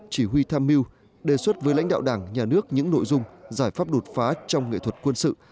chỉ huy tham mưu đề xuất với lãnh đạo đảng nhà nước những nội dung giải pháp đột phá trong nghệ thuật quân sự